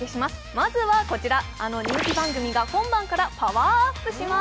まずは、あの人気番組が今晩からパワーアップします。